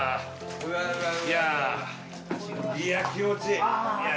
うわいや気持ちいい